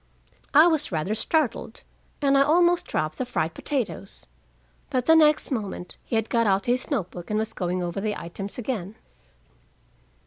I was rather startled, and I almost dropped the fried potatoes. But the next moment he had got out his note book and was going over the items again.